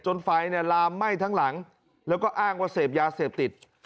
ไฟเนี่ยลามไหม้ทั้งหลังแล้วก็อ้างว่าเสพยาเสพติด